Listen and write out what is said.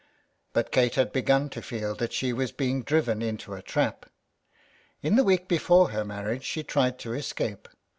But Kate had begun to feel that she was being driven into a trap. In the week before her marriage she tried to escape.